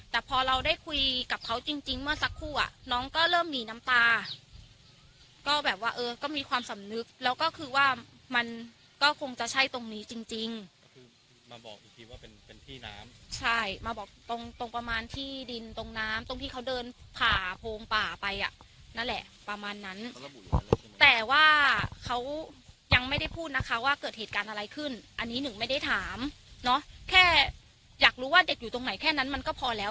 แต่พอเราได้คุยกับเขาจริงจริงเมื่อสักครู่อ่ะน้องก็เริ่มหนีน้ำตาก็แบบว่าเออก็มีความสำนึกแล้วก็คือว่ามันก็คงจะใช่ตรงนี้จริงจริงคือมาบอกอีกทีว่าเป็นเป็นที่น้ำใช่มาบอกตรงตรงประมาณที่ดินตรงน้ำตรงที่เขาเดินผ่าโพงป่าไปอ่ะนั่นแหละประมาณนั้นแต่ว่าเขายังไม่ได้พูดนะคะว่าเ